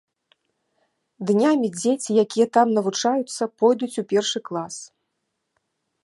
Днямі дзеці, якія там навучаюцца, пойдуць у першы клас.